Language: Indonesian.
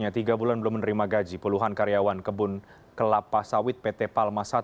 tiga bulan belum menerima gaji puluhan karyawan kebun kelapa sawit pt palma i